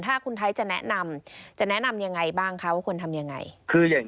ถ้าคุณไทยจะแนะนำจะแนะนำยังไงบ้างเขาควรทำยังไงคืออย่าง